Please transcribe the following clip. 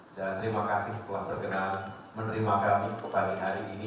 dan terima kasih telah berkenan menerima kami ke pagi hari ini